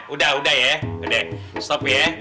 udah udah ya